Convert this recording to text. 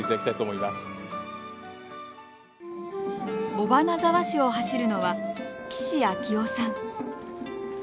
尾花沢市を走るのは岸昭夫さん。